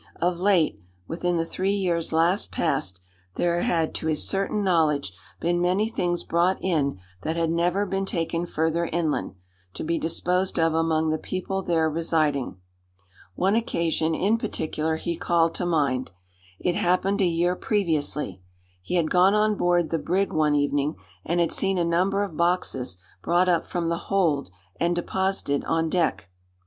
Of late within the three years last past there had to his certain knowledge been many things brought in that had never been taken further inland, to be disposed of among the people there residing. One occasion, in particular, he called to mind. It happened a year previously. He had gone on board the brig one evening, and had seen a number of boxes brought up from the hold and deposited on deck.